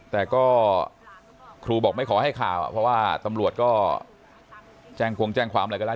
แต่ก็ครูบอกไม่ขอให้ข่าวเพราะว่าตำรวจก็แจ้งคงแจ้งความอะไรกันแล้ว